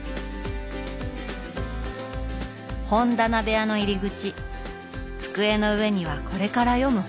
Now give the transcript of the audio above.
本棚部屋の入り口机の上にはこれから読む本。